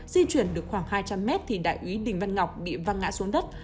di chuyển được khoảng hai trăm linh mét thì đại úy đình văn ngọc bị văng ngã xuống đất